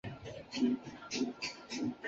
为了开发伏波山的旅游资源建伏波公园。